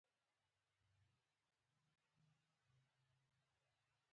کچېرې کومه لهجوي ستونزه وي نو بښنه راته کوئ .